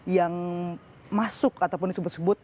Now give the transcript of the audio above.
yang masuk ataupun disebut sebut